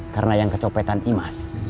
karena yang kecopetan imas